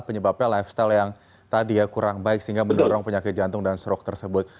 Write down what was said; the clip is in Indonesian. penyebabnya lifestyle yang tadi ya kurang baik sehingga mendorong penyakit jantung dan stroke tersebut